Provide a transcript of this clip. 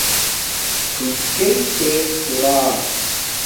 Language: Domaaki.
تُھو چیݵ تیل خوراک